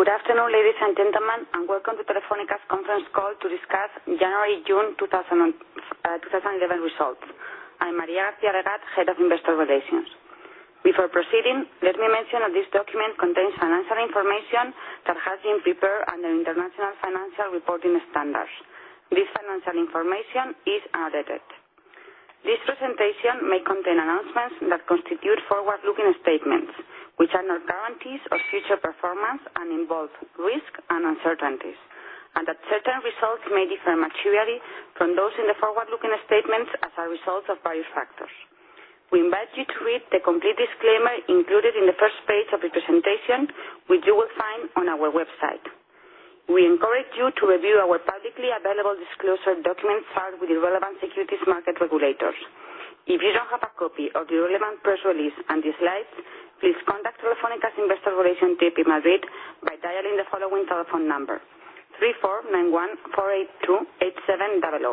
Good afternoon, ladies and gentlemen, and welcome to Telefónica's conference call to discuss January-June 2011 results. I'm María García-Legaz, Head of Investor Relations. Before proceeding, let me mention that this document contains financial information that has been prepared under International Financial Reporting Standards. This financial information is unedited. This presentation may contain announcements that constitute forward-looking statements, which are not guarantees of future performance and involve risk and uncertainties, and that certain results may differ materially from those in the forward-looking statements as a result of various factors. We invite you to read the complete disclaimer included in the first page of the presentation, which you will find on our website. We encourage you to review our publicly available disclosure documents filed with the relevant securities market regulators. If you don't have a copy of the relevant press release and these slides, please contact Telefónica's Investor Relations team in Madrid by dialing the following telephone number: 34 91 482 8700.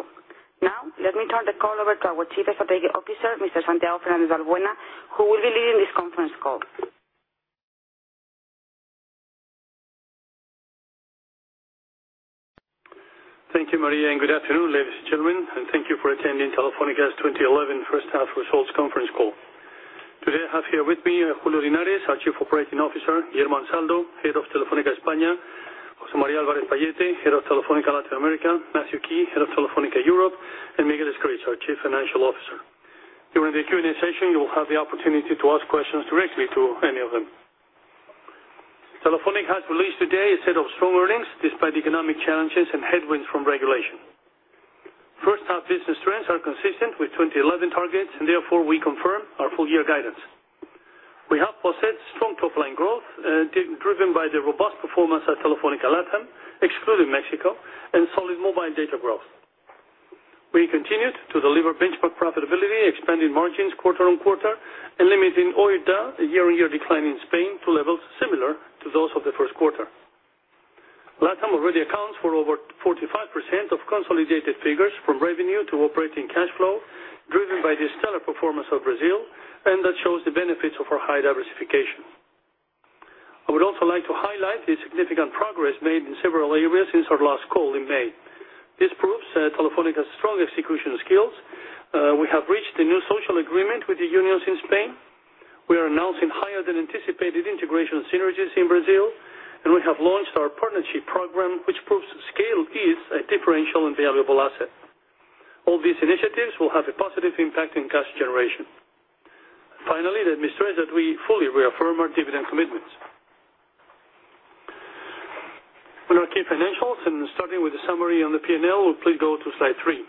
Now, let me turn the call over to our Chief Strategy Officer, Mr. Santiago Valbuena, who will be leading this conference call. Thank you, María, and good afternoon, ladies and gentlemen, and thank you for attending Telefónica's 2011 first half results conference call. Today, I have here with me Julio Linares, our Chief Operating Officer; Guillermo Ansaldo, Head of Telefónica España; José María Álvarez-Pallette, Head of Telefónica Latinoamérica; Matthew Key, Head of Telefónica Europe; and Miguel Escrig, our Chief Financial Officer. During the Q&A session, you will have the opportunity to ask questions directly to any of them. Telefónica has released today a set of strong earnings despite economic challenges and headwinds from regulation. First half business trends are consistent with 2011 targets, and therefore, we confirm our full-year guidance. We have also had strong top-line growth driven by the robust performance at Telefónica Latin, excluding Mexico, and solid mobile data growth. We continued to deliver benchmark profitability, expanding margins quarter on quarter, and limiting OIBDA year-on-year decline in Spain to levels similar to those of the first quarter. Latin already accounts for over 45% of consolidated figures from revenue to operating cash flow, driven by the stellar performance of Brazil, and that shows the benefits of our high diversification. I would also like to highlight the significant progress made in several areas since our last call in May. This proves that Telefónica has strong execution skills. We have reached the new social agreement with the unions in Spain. We are announcing higher than anticipated integration synergies in Brazil, and we have launched our partnership program, which proves scale is a differential and valuable asset. All these initiatives will have a positive impact in cash generation. Finally, the administrators state that we fully reaffirm our dividend commitments. With our key financials, and starting with a summary on the P&L, please go to slide three.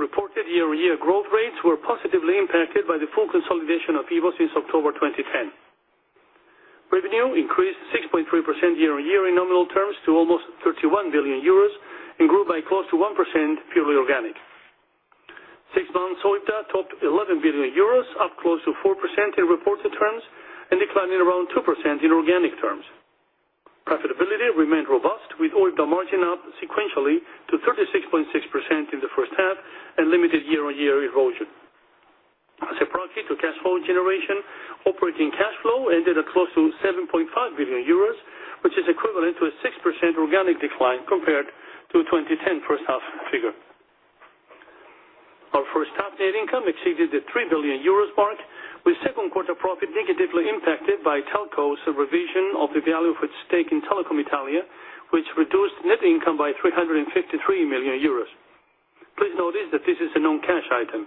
Reported year-on-year growth rates were positively impacted by the full consolidation of Vivo since October 2010. Revenue increased 6.3% year-on-year in nominal terms to almost 31 billion euros and grew by close to 1% purely organic. Six months OIBDA topped 11 billion euros, up close to 4% in reported terms and declining around 2% in organic terms. Profitability remained robust, with OIBDA margin up sequentially to 36.6% in the first half and limited year-on-year erosion. As a proxy to cash flow generation, operating cash flow ended at close to 7.5 billion euros, which is equivalent to a 6% organic decline compared to 2010 first half figure. Our first half net income exceeded the 3 billion euros mark, with second quarter profit negatively impacted by Telco's revision of the value of its stake in Telecom Italia, which reduced net income by 353 million euros. Please notice that this is a non-cash item.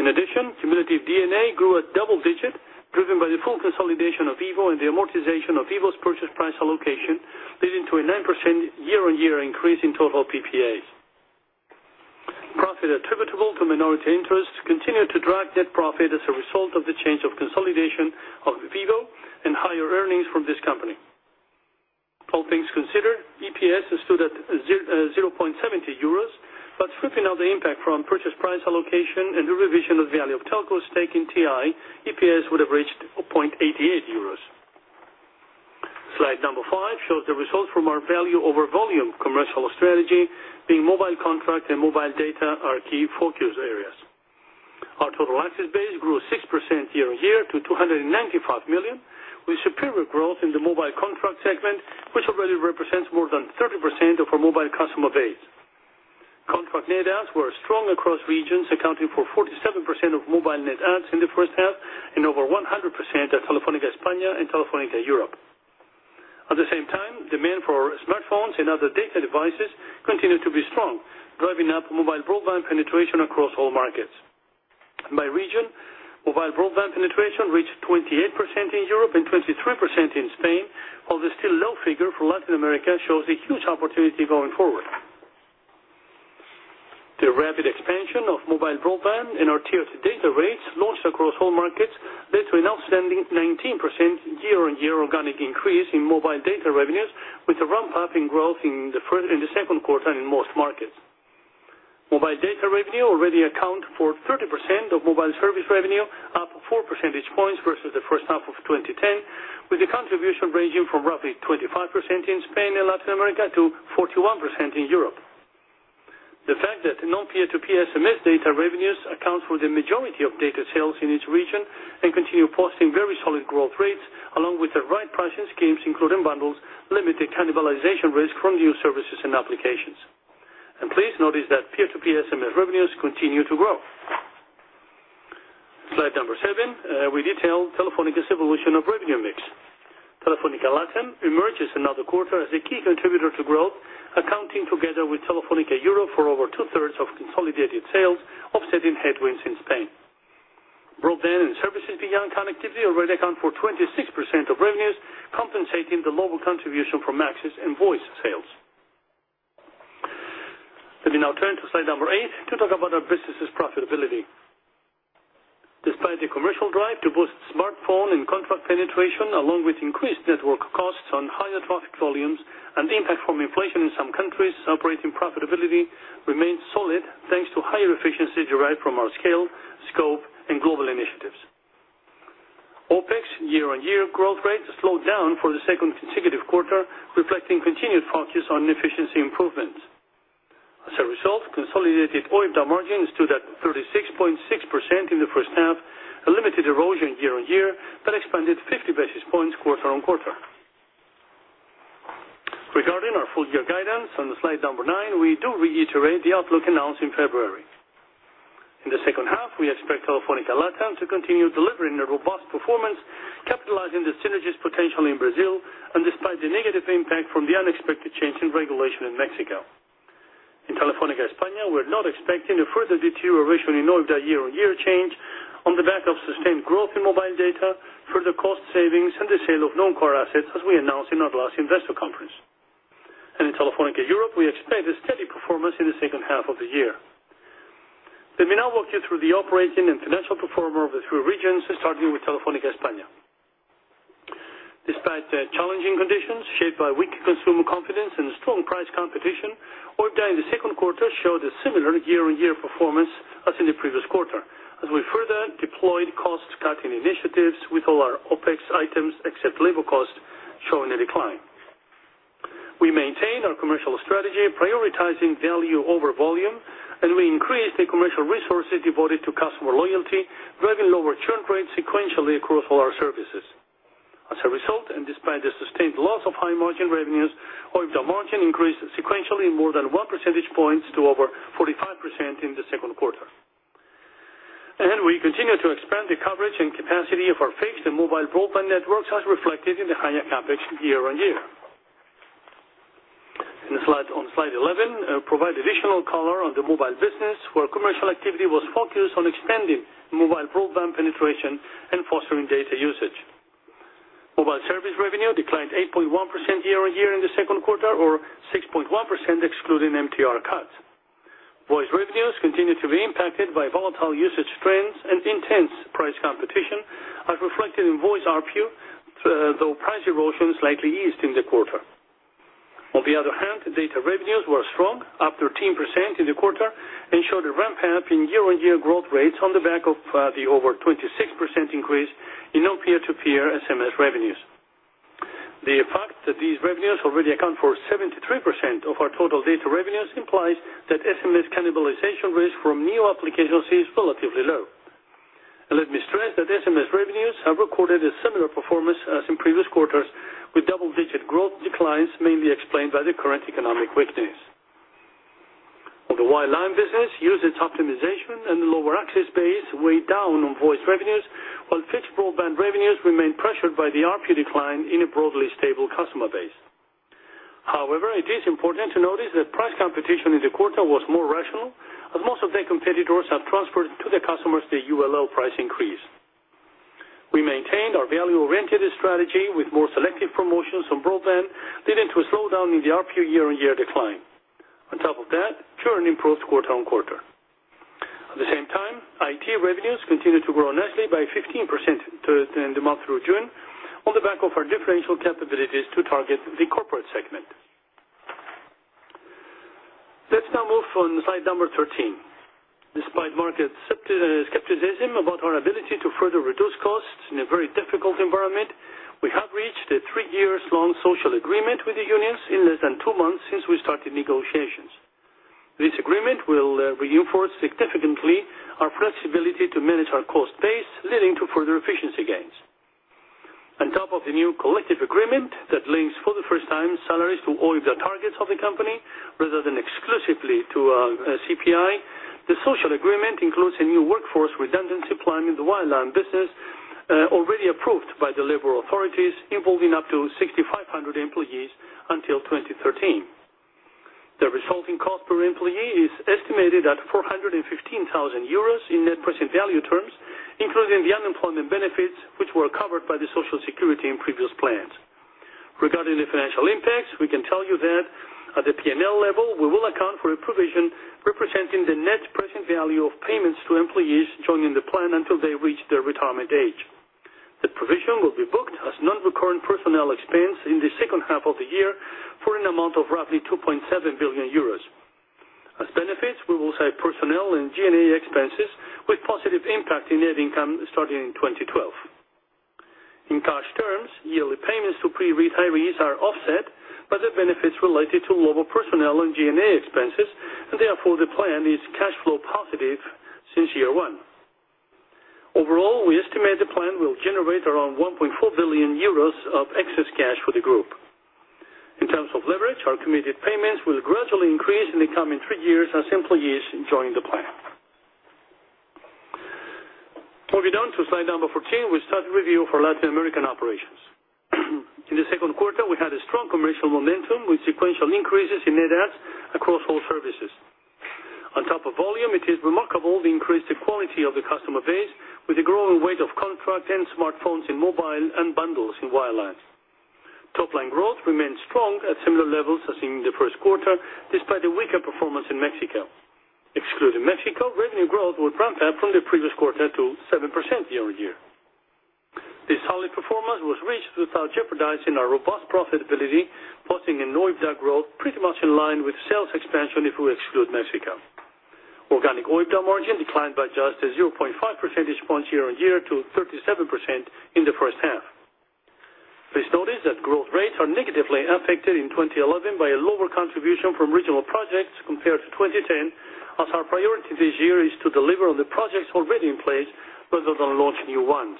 In addition, cumulative D&A grew at double digits, driven by the full consolidation of EVO and the amortization of EVO's purchase price allocation, leading to a 9% year-on-year increase in total PPAs. Profit attributable to minority interests continued to drive net profit as a result of the change of consolidation of EVO and higher earnings from this company. All things considered, EPS stood at 0.70 euros, but stripping off the impact from purchase price allocation and the revision of the value of Telco's stake in TI, EPS would have reached 0.88 euros. Slide number five shows the results from our value over volume commercial strategy, being mobile contract and mobile data our key focus areas. Our total access base grew 6% year-on-year to 295 million, with superior growth in the mobile contract segment, which already represents more than 30% of our mobile customer base. Contract net adds were strong across regions, accounting for 47% of mobile net adds in the first half and over 100% at Telefónica España and Telefónica Europe. At the same time, demand for smartphones and other data devices continued to be strong, driving up mobile broadband penetration across all markets. By region, mobile broadband penetration reached 28% in Europe and 23% in Spain, although still a low figure for Latin America shows a huge opportunity going forward. The rapid expansion of mobile broadband and our tiered data rates launched across all markets led to an outstanding 19% year-on-year organic increase in mobile data revenues, with a ramp-up in growth in the second quarter in most markets. Mobile data revenue already accounts for 30% of mobile service revenue, up four percentage points versus the first half of 2010, with a contribution ranging from roughly 25% in Spain and Latin America to 41% in Europe. The fact that non-P2P SMS data revenues account for the majority of data sales in each region and continue posting very solid growth rates, along with the right pricing schemes, including bundles, limited cannibalization risk from new services and applications. Please notice that P2P SMS revenues continue to grow. Slide number seven, we detail Telefónica's evolution of revenue mix. Telefónica Latin emerges another quarter as a key contributor to growth, accounting together with Telefónica Europe for over 2/3 of consolidated sales, offsetting headwinds in Spain. Broadband and services beyond connectivity already account for 26% of revenues, compensating the lower contribution from access and voice sales. Let me now turn to slide number eight to talk about our business's profitability. Despite the commercial drive to boost smartphone and contract penetration, along with increased network costs on higher traffic volumes and impact from inflation in some countries, operating profitability remains solid thanks to higher efficiency derived from our scale, scope, and global initiatives. OpEx year-on-year growth rates slowed down for the second consecutive quarter, reflecting continued focus on efficiency improvements. As a result, consolidated OIBDA margins stood at 36.6% in the first half, a limited erosion year-on-year, but expanded 50 basis points quarter on quarter. Regarding our full-year guidance, on slide number nine, we do reiterate the outlook announced in February. In the second half, we expect Telefónica Latin to continue delivering a robust performance, capitalizing the synergies potential in Brazil, and despite the negative impact from the unexpected change in regulation in Mexico. In Telefónica España, we're not expecting a further deterioration in OIBDA year-on-year change on the back of sustained growth in mobile data, further cost savings, and the sale of non-core assets, as we announced in our last investor conference. In Telefónica Europe, we expect a steady performance in the second half of the year. Let me now walk you through the operating and financial performance of the three regions, starting with Telefónica España. Despite challenging conditions shaped by weak consumer confidence and strong price competition, OIBDA in the second quarter showed a similar year-on-year performance as in the previous quarter, as we further deployed cost-cutting initiatives with all our OpEx items except labor cost, showing a decline. We maintain our commercial strategy, prioritizing value over volume, and we increased the commercial resources devoted to customer loyalty, driving lower churn rates sequentially across all our services. As a result, and despite the sustained loss of high margin revenues, OIBDA margin increased sequentially more than one percentage point to over 45% in the second quarter. We continue to expand the coverage and capacity of our fixed and mobile broadband networks as reflected in the higher CapEx year-on-year. On slide 11, we provide additional color on the mobile business, where commercial activity was focused on expanding mobile broadband penetration and fostering data usage. Mobile service revenue declined 8.1% year-on-year in the second quarter, or 6.1% excluding MTR cuts. Voice revenues continue to be impacted by volatile usage trends and intense price competition, as reflected in voice ARPU, though price erosion slightly eased in the quarter. On the other hand, data revenues were strong, up 13% in the quarter, and showed a ramp-up in year-on-year growth rates on the back of the over 26% increase in non-P2P SMS revenues. The fact that these revenues already account for 73% of our total data revenues implies that SMS cannibalization risk from new applications is relatively low. Let me stress that SMS revenues have recorded a similar performance as in previous quarters, with double-digit growth declines mainly explained by the current economic weakness. On the wireline business, usage optimization and the lower access base weigh down on voice revenues, while fixed broadband revenues remain pressured by the ARPU decline in a broadly stable customer base. However, it is important to notice that price competition in the quarter was more rational, as most of our competitors have transferred to their customers the ULL price increase. We maintained our value-oriented strategy with more selective promotions on broadband, leading to a slowdown in the ARPU year-on-year decline. On top of that, churn improved quarter on quarter. At the same time, IT revenues continue to grow nicely by 15% in the month through June on the back of our differential capabilities to target the corporate segment. Let's now move on to slide number 13. Despite market skepticism about our ability to further reduce costs in a very difficult environment, we have reached a three-year-long social agreement with the unions in less than two months since we started negotiations. This agreement will reinforce significantly our flexibility to manage our cost base, leading to further efficiency gains. On top of the new collective agreement that links for the first time salaries to OIBDA targets of the company rather than exclusively to CPI, the social agreement includes a new workforce redundancy plan in the wireline business already approved by the labor authorities, involving up to 6,500 employees until 2013. The resulting cost per employee is estimated at 415,000 euros in net present value terms, including the unemployment benefits, which were covered by the Social Security in previous plans. Regarding the financial impacts, we can tell you that at the P&L level, we will account for a provision representing the net present value of payments to employees joining the plan until they reach their retirement age. The provision will be booked as non-recurring personnel expense in the second half of the year for an amount of roughly 2.7 billion euros. As benefits, we will save personnel and G&A expenses with positive impact in net income starting in 2012. In cash terms, yearly payments to pre-retirees are offset by the benefits related to lower personnel and G&A expenses, and therefore, the plan is cash flow positive since year one. Overall, we estimate the plan will generate around 1.4 billion euros of excess cash for the group. In terms of leverage, our committed payments will gradually increase in the coming three years as employees join the plan. Moving on to slide number 14, we start the review of our Latin American operations. In the second quarter, we had a strong commercial momentum with sequential increases in net adds across all services. On top of volume, it is remarkable the increased quality of the customer base with a growing weight of contract and smartphones in mobile and bundles in wirelines. Top-line growth remains strong at similar levels as in the first quarter, despite a weaker performance in Mexico. Excluding Mexico, revenue growth will ramp up from the previous quarter to 7% year-on-year. This solid performance was reached without jeopardizing our robust profitability, posting an OIBDA growth pretty much in line with sales expansion if we exclude Mexico. Organic OIBDA margin declined by just 0.5% each month year-on-year to 37% in the first half. Please notice that growth rates are negatively affected in 2011 by a lower contribution from regional projects compared to 2010, as our priority this year is to deliver on the projects already in place rather than launch new ones.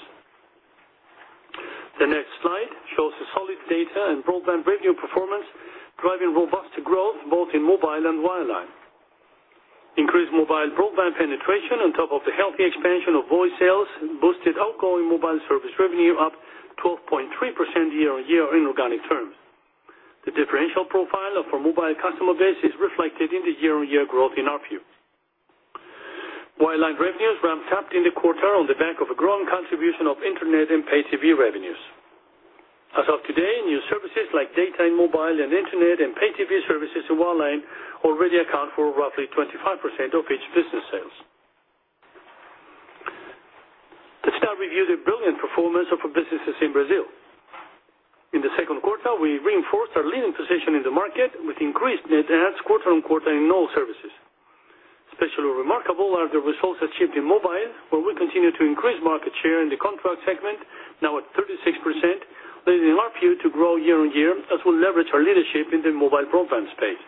The next slide shows the solid data and broadband revenue performance driving robust growth both in mobile and wide line. Increased mobile broadband penetration on top of the healthy expansion of voice sales boosted outgoing mobile service revenue up 12.3% year-on-year in organic terms. The differential profile of our mobile customer base is reflected in the year-on-year growth in RPUs. Wide line revenues ramped up in the quarter on the back of a growing contribution of internet and pay-TV revenues. As of today, new services like data in mobile and internet and pay-TV services in wide line already account for roughly 25% of each business sales. Let's now review the brilliant performance of our businesses in Brazil. In the second quarter, we reinforced our leading position in the market with increased net ads quarter on quarter in all services. Especially remarkable are the results achieved in mobile, where we continue to increase market share in the contract segment, now at 36%, leading RPU to grow year-on-year as we leverage our leadership in the mobile broadband space.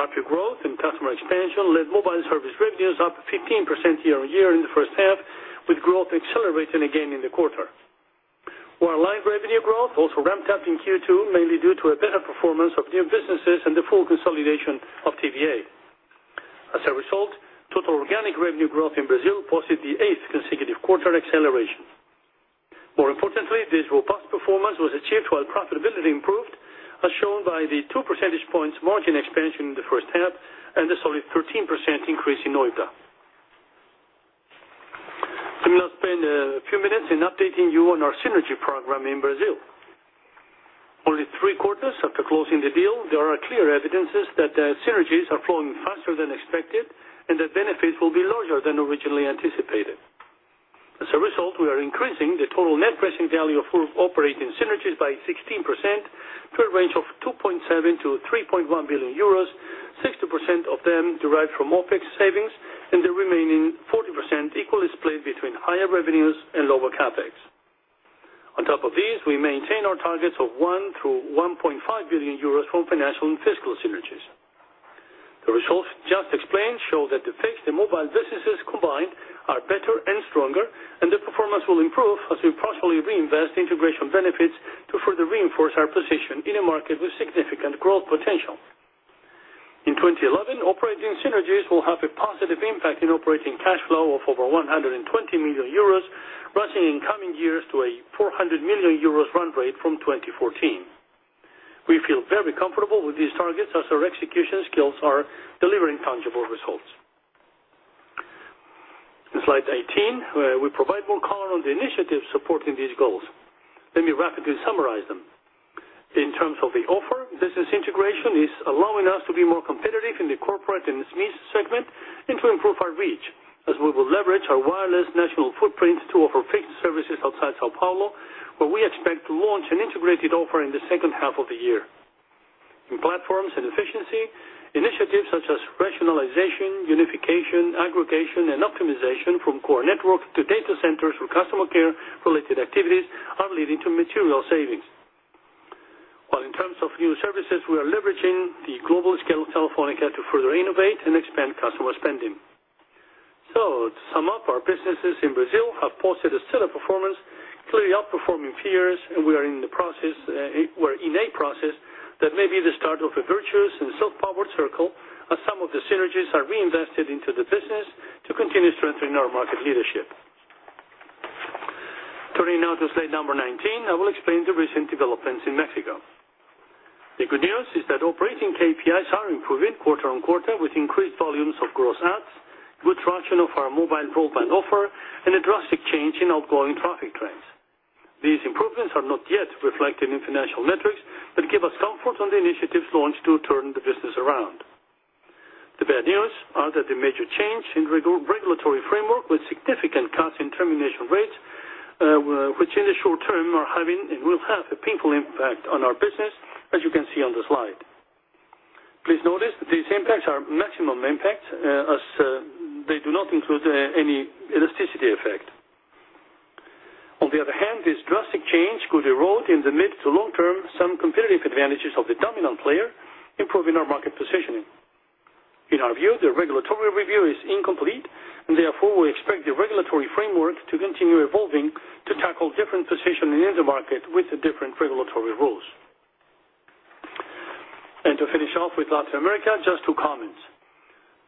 RPU growth and customer expansion led mobile service revenues up 15% year-on-year in the first half, with growth accelerating again in the quarter. Wide line revenue growth also ramped up in Q2, mainly due to a better performance of new businesses and the full consolidation of TVA. As a result, total organic revenue growth in Brazil posted the eighth consecutive quarter acceleration. More importantly, this robust performance was achieved while profitability improved, as shown by the two percentage points margin expansion in the first half and the solid 13% increase in OIBDA. Let me now spend a few minutes in updating you on our synergy program in Brazil. Only three quarters after closing the deal, there are clear evidences that synergies are flowing faster than expected and that benefits will be larger than originally anticipated. As a result, we are increasing the total net present value of operating synergies by 16% through a range of 2.7 billion-3.1 billion euros, 60% of them derived from OpEx savings and the remaining 40% equally split between higher revenues and lower CapEx. On top of these, we maintain our targets of 1 billion through 1.5 billion euros from financial and fiscal synergies. The results just explained show that the fixed and mobile businesses combined are better and stronger, and the performance will improve as we partially reinvest integration benefits to further reinforce our position in a market with significant growth potential. In 2011, operating synergies will have a positive impact in operating cash flow of over 120 million euros, rising in coming years to a 400 million euros run rate from 2014. We feel very comfortable with these targets as our execution skills are delivering tangible results. In slide 18, we provide more color on the initiatives supporting these goals. Let me rapidly summarize them. In terms of the offer, business integration is allowing us to be more competitive in the corporate and SME segment and to improve our reach, as we will leverage our wireless national footprint to offer fixed services outside São Paulo, where we expect to launch an integrated offer in the second half of the year. In platforms and efficiency, initiatives such as rationalization, unification, aggregation, and optimization from core networks to data centers or customer care-related activities are leading to material savings. In terms of new services, we are leveraging the global scale of Telefónica to further innovate and expand customer spending. To sum up, our businesses in Brazil have posted a stellar performance, clearly outperforming fears, and we are in a process that may be the start of a virtuous and self-powered circle, as some of the synergies are reinvested into the business to continue strengthening our market leadership. Turning now to slide number 19, I will explain the recent developments in Mexico. The good news is that operating KPIs are improving quarter on quarter with increased volumes of gross ads, good traction of our mobile broadband offer, and a drastic change in outgoing traffic trends. These improvements are not yet reflected in financial metrics, but give us comfort on the initiatives launched to turn the business around. The bad news is that the major change in the regulatory framework with significant cuts in termination rates, which in the short term are having and will have a painful impact on our business, as you can see on the slide. Please notice that these impacts are maximum impacts, as they do not include any elasticity effect. On the other hand, this drastic change could erode in the mid to long term some competitive advantages of the dominant player, improving our market positioning. In our view, the regulatory review is incomplete, and therefore, we expect the regulatory framework to continue evolving to tackle different positions in the market with different regulatory rules. To finish off with Latin America, just two comments.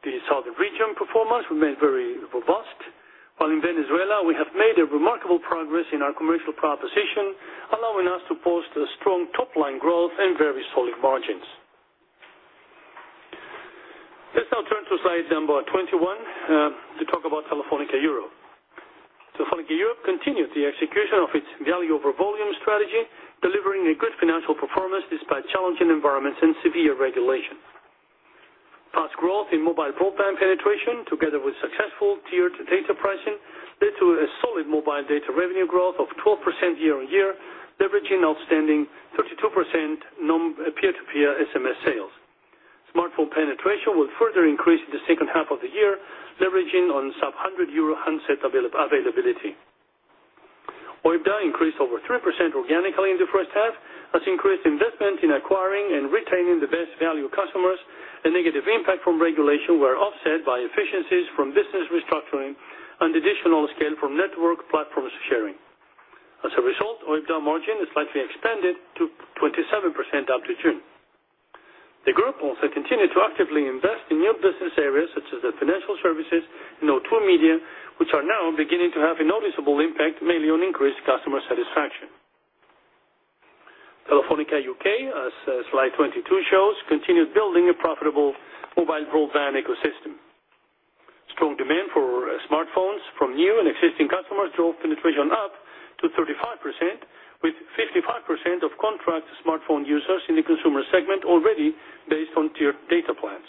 The southern region performance remains very robust, while in Venezuela, we have made remarkable progress in our commercial proposition, allowing us to post strong top-line growth and very solid margins. Let's now turn to slide number 21 to talk about Telefónica Europe. Telefónica Europe continued the execution of its value over volume strategy, delivering a good financial performance despite challenging environments and severe regulations. Past growth in mobile broadband penetration, together with successful tiered data pricing, led to solid mobile data revenue growth of 12% year-on-year, leveraging outstanding 32% non-P2P SMS sales. Smartphone penetration will further increase in the second half of the year, leveraging on sub-hundred euro handset availability. OIBDA increased over 3% organically in the first half, as increased investment in acquiring and retaining the best value customers and negative impact from regulation were offset by efficiencies from business restructuring and additional scale from network platforms sharing. As a result, OIBDA margin slightly expanded to 27% up to June. The group also continued to actively invest in new business areas such as financial services and O2 media, which are now beginning to have a noticeable impact, mainly on increased customer satisfaction. Telefónica U.K., as slide 22 shows, continued building a profitable mobile broadband ecosystem. Strong demand for smartphones from new and existing customers drove penetration up to 35%, with 55% of contract smartphone users in the consumer segment already based on tiered data plans.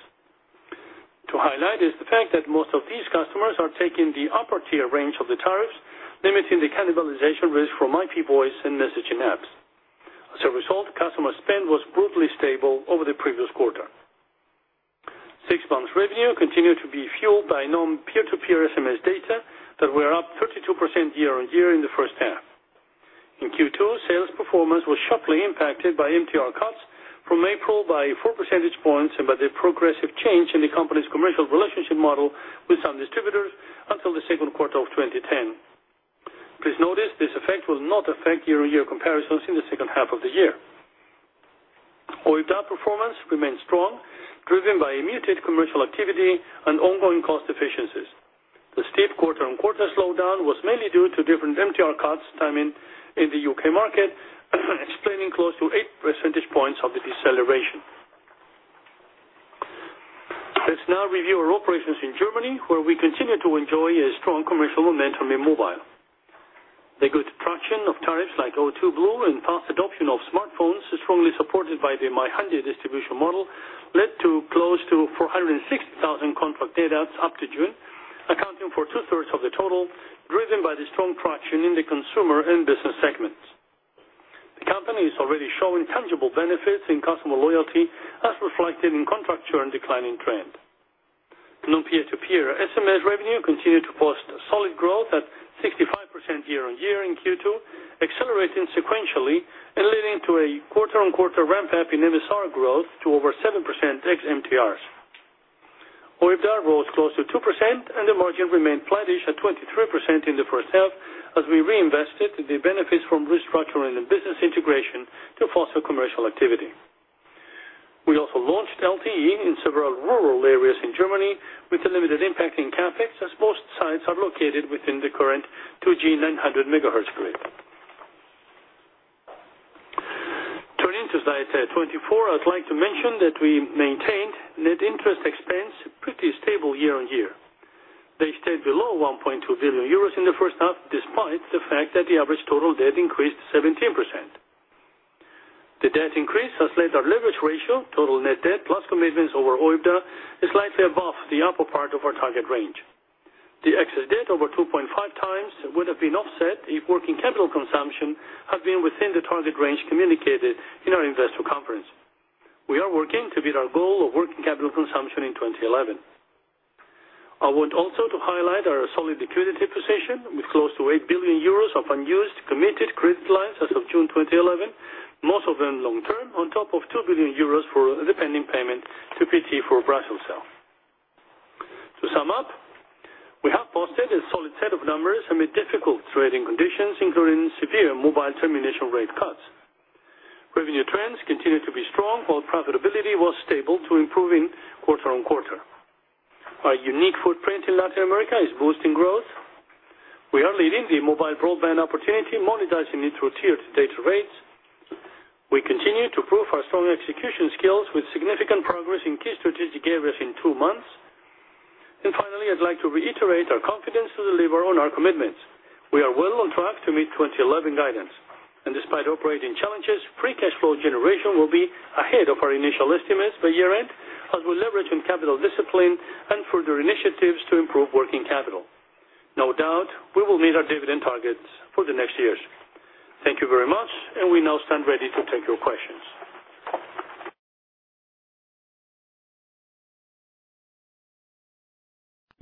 To highlight is the fact that most of these customers are taking the upper tier range of the tariffs, limiting the cannibalization risk from IP voice and messaging apps. As a result, customer spend was broadly stable over the previous quarter. Six months revenue continued to be fueled by non-P2P SMS data that were up 32% year-on-year in the first half. In Q2, sales performance was sharply impacted by mobile termination rate cuts from April by four percentage points and by the progressive change in the company's commercial relationship model with some distributors until the second quarter of 2010. Please notice this effect will not affect year-on-year comparisons in the second half of the year. OIBDA performance remains strong, driven by a muted commercial activity and ongoing cost efficiencies. The steep quarter-on-quarter slowdown was mainly due to different MTR cuts timing in the U.K. market, explaining close to eight percentage points of the deceleration. Let's now review our operations in Germany, where we continue to enjoy a strong commercial momentum in mobile. The good traction of tariffs like O2 Blue and fast adoption of smartphones, strongly supported by the multi-channel distribution model, led to close to 460,000 contract data up to June, accounting for two-thirds of the total, driven by the strong traction in the consumer and business segments. The company is already showing tangible benefits in customer loyalty, as reflected in contract churn declining trend. Non-P2P SMS revenue continued to post solid growth at 65% year-on-year in Q2, accelerating sequentially and leading to a quarter-on-quarter ramp-up in MSR growth to over 7% ex-MTRs. OIBDA rose close to 2% and the margin remained flat-ish at 23% in the first half, as we reinvested in the benefits from restructuring and business integration to foster commercial activity. We also launched LTE in several rural areas in Germany, with a limited impact in CapEx, as both sites are located within the current 2G 900 MHz grid. Turning to slide 24, I'd like to mention that we maintained net interest expense pretty stable year-on-year. They stayed below 1.2 billion euros in the first half, despite the fact that the average total debt increased 17%. The debt increase has led our leverage ratio, total net debt plus commitments over OIBDA, slightly above the upper part of our target range. The excess debt over 2.5x would have been offset if working capital consumption had been within the target range communicated in our investor conference. We are working to beat our goal of working capital consumption in 2011. I want also to highlight our solid liquidity position, with close to 8 billion euros of unused committed credit lines as of June 2011, most of them long-term, on top of 2 billion euros for the pending payment to PT for a bracelet sale. To sum up, we have posted a solid set of numbers amid difficult trading conditions, including severe mobile termination rate cuts. Revenue trends continue to be strong, while profitability was stable to improving quarter on quarter. Our unique footprint in Latin America is boosting growth. We are leading the mobile broadband opportunity, monetizing it through tiered data rates. We continue to prove our strong execution skills with significant progress in key strategic areas in two months. Finally, I'd like to reiterate our confidence to deliver on our commitments. We are well on track to meet 2011 guidance, and despite operating challenges, free cash flow generation will be ahead of our initial estimates by year-end, as we leverage on capital discipline and further initiatives to improve working capital. No doubt, we will meet our dividend targets for the next years. Thank you very much, and we now stand ready to take your questions.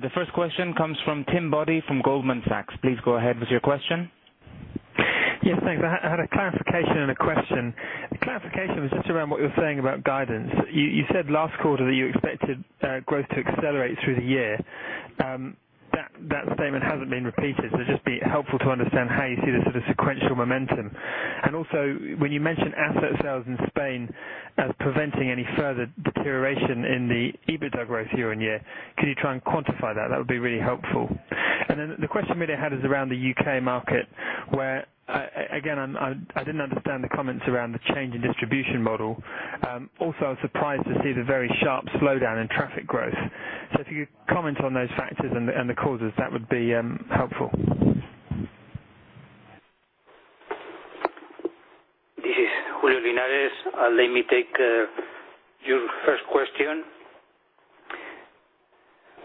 The first question comes from Tim Boddy from Goldman Sachs. Please go ahead with your question. Yeah, thanks. I had a clarification and a question. The clarification was just around what you were saying about guidance. You said last quarter that you expected growth to accelerate through the year. That statement hasn't been repeated, so it'd just be helpful to understand how you see this sort of sequential momentum. Also, when you mention asset sales in Spain as preventing any further duration in the EBITDA growth year-on-year, can you try and quantify that? That would be really helpful. The question really had is around the U.K. market, where again, I didn't understand the comments around the change in distribution model. I was surprised to see the very sharp slowdown in traffic growth. If you could comment on those factors and the causes, that would be helpful. This is Julio Linares. Let me take your first question.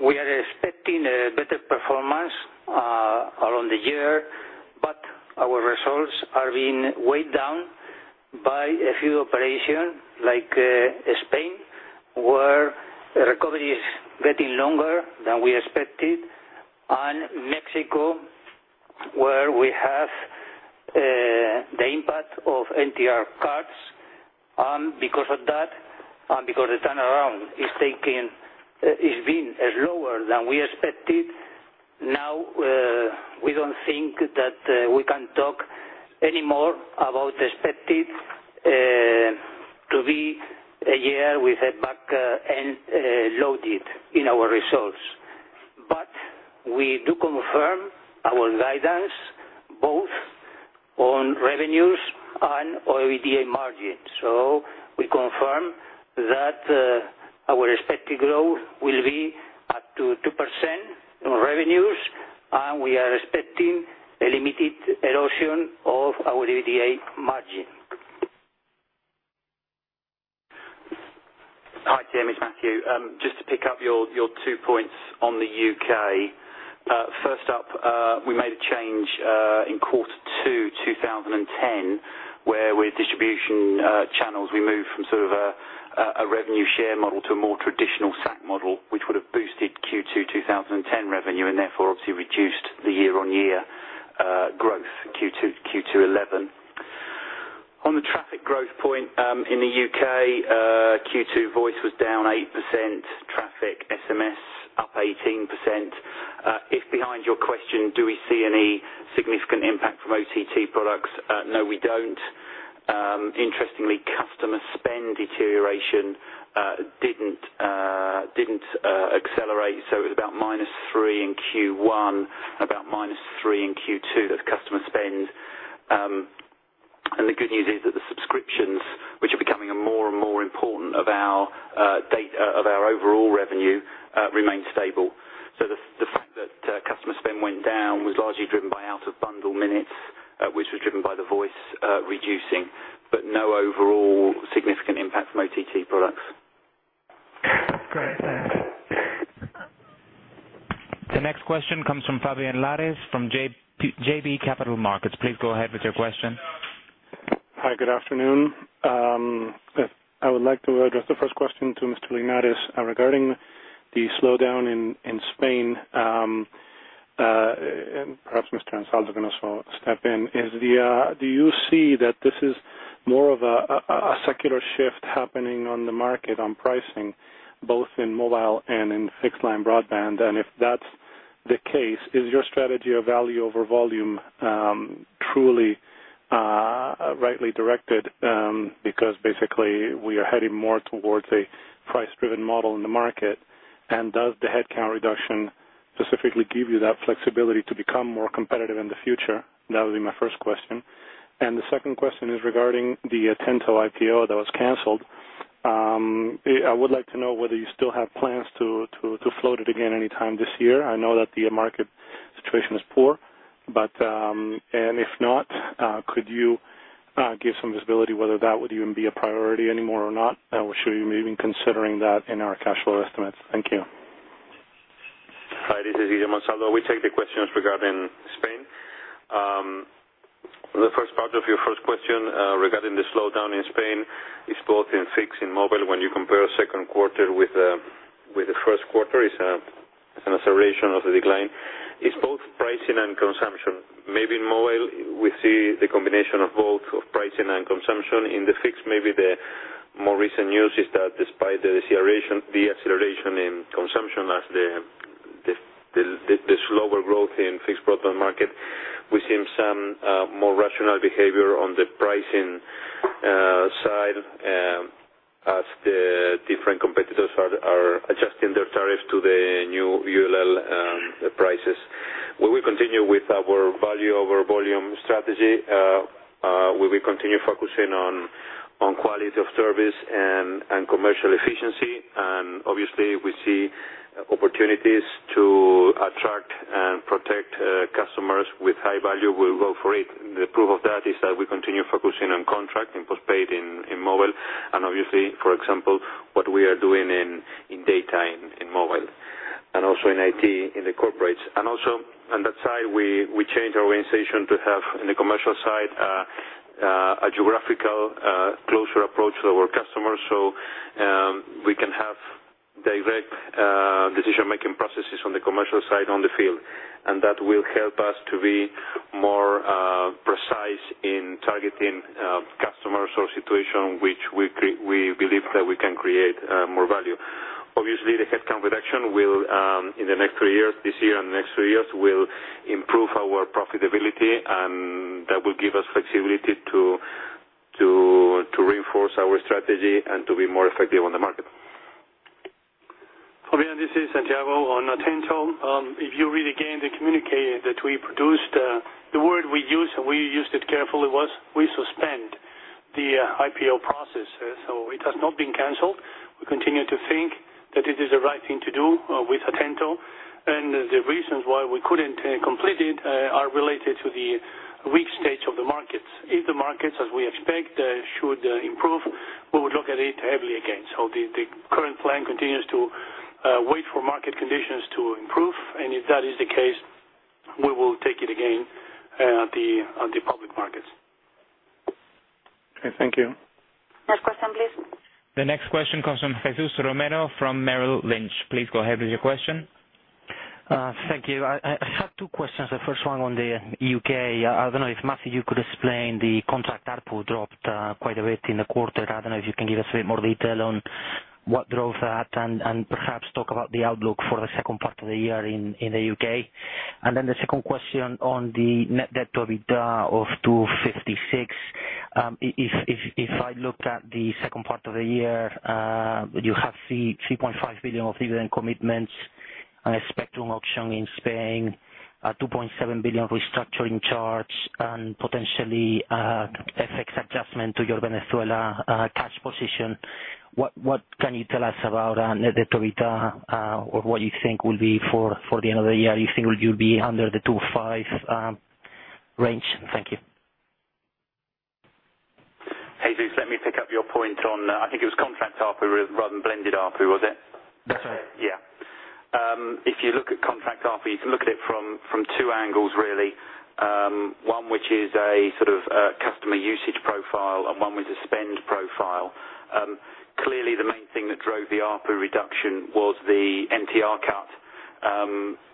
We are expecting a better performance around the year, but our results are being weighed down by a few operations like Spain, where recovery is getting longer than we expected, and Mexico, where we have the impact of mobile termination rate cuts. Because of that, and because the turnaround is being slower than we expected, now we don't think that we can talk anymore about expecting to be a year with a back-end loaded in our results. We do confirm our guidance both on revenues and OIBDA margins. We confirm that our expected growth will be up to 2% on revenues, and we are expecting a limited erosion of our OIBDA margin. Thank you. Just to pick up your two points on the U.K. First up, we made a change in quarter two, 2010, where with distribution channels we moved from sort of a revenue share model to a more traditional SAC model, which would have boosted Q2 2010 revenue and therefore obviously reduced the year-on-year growth Q2 2011. On the traffic growth point in the U.K., Q2 voice was down 8%, traffic SMS up 18%. If behind your question, do we see any significant impact from OTT products? No, we don't. Interestingly, customer spend deterioration didn't accelerate, it was about -3% in Q1, about -3% in Q2 of customer spend. The good news is that the subscriptions, which are becoming more and more important of our overall revenue, remain stable. The fact that customer spend went down was largely driven by out-of-bundle minutes, which was driven by the voice reducing, but no overall significant impact from OTT products. Great. Thanks. The next question comes from Fabian Lares from JB Capital Markets. Please go ahead with your question. Hi, good afternoon. I would like to address the first question to Mr. Linares regarding the slowdown in Spain. Perhaps Mr. Ansaldo can also step in. Do you see that this is more of a secular shift happening on the market on pricing, both in mobile and in fixed-line broadband? If that's the case, is your strategy of value over volume truly rightly directed? Basically, we are heading more towards a price-driven model in the market. Does the headcount reduction specifically give you that flexibility to become more competitive in the future? That would be my first question. The second question is regarding the Atento IPO that was canceled. I would like to know whether you still have plans to float it again anytime this year. I know that the market situation is poor. If not, could you give some visibility whether that would even be a priority anymore or not? We'll show you maybe considering that in our cash flow estimates. Thank you. Hi, this is Guillermo Ansaldo. We take the questions regarding Spain. The first part of your first question regarding the slowdown in Spain is both in fixed and mobile. When you compare the second quarter with the first quarter, it's an acceleration of the decline. It's both pricing and consumption. Maybe in mobile, we see the combination of both, of pricing and consumption. In the fixed, maybe the more recent news is that despite the acceleration in consumption as the slower growth in the fixed broadband market, we see some more rational behavior on the pricing side as the different competitors are adjusting their tariffs to the new ULL prices. We will continue with our value over volume strategy. We will continue focusing on quality of service and commercial efficiency. Obviously, we see opportunities to attract and protect customers with high value. We'll go for it. The proof of that is that we continue focusing on contract and postpaid in mobile. Obviously, for example, what we are doing in data in mobile. Also in IT in the corporates. Also on that side, we changed our organization to have in the commercial side a geographical closer approach to our customers. We can have direct decision-making processes on the commercial side on the field. That will help us to be more precise in targeting customers or situations which we believe that we can create more value. Obviously, the headcount reduction will, in the next three years, this year and the next three years, will improve our profitability. That will give us flexibility to reinforce our strategy and to be more effective on the market. Fabian, this is Santiago on Atento. If you read again the communication that we produced, the word we used, and we used it carefully, was we suspend the IPO process. It has not been canceled. We continue to think that it is the right thing to do with Atento. The reasons why we couldn't complete it are related to the weak stage of the markets. If the markets, as we expect, should improve, we would look at it heavily again. The current plan continues to wait for market conditions to improve. If that is the case, we will take it again at the public markets. Okay, thank you. Next question, please. The next question comes from Jesús Romero from Merrill Lynch. Please go ahead with your question. Thank you. I have two questions. The first one on the U.K. I don't know if Matthew, you could explain the contract output dropped quite a bit in the quarter. I don't know if you can give us a bit more detail on what drove that and perhaps talk about the outlook for the second part of the year in the U.K. The second question on the net debt/OIBDA of 2.56. If I looked at the second part of the year, you have 3.5 billion of dividend commitments and a spectrum auction in Spain, 2.7 billion restructuring charge, and potentially FX adjustment to your Venezuela cash position. What can you tell us about net debt/OIBDA or what you think will be for the end of the year? Do you think you'll be under the 2.5 range? Thank you. Jesús, let me pick up your point on, I think it was contract ARPU rather than blended ARPU, was it? That's right. Yeah. If you look at contract ARPU, you can look at it from two angles, really. One which is a sort of customer usage profile and one was a spend profile. Clearly, the main thing that drove the ARPU reduction was the mobile termination rate cut.